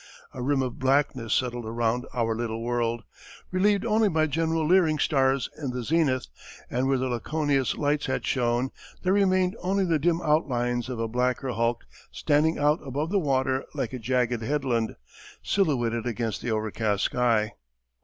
A rim of blackness settled around our little world, relieved only by general leering stars in the zenith, and where the Laconia's lights had shone there remained only the dim outlines of a blacker hulk standing out above the water like a jagged headland, silhouetted against the overcast sky.